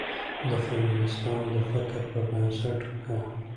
د فيمنستانو د فکر پر بنسټ، که